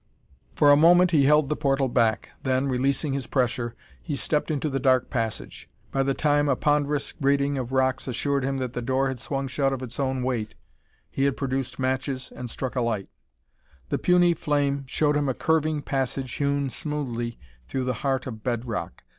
For a moment he held the portal back, then, releasing his pressure, he stepped into the dark passage. By the time a ponderous grating of rocks assured him that the door had swung shut of its own weight, he had produced matches and struck a light. The puny flame showed him a curving passage hewn smoothly through the heart of bedrock.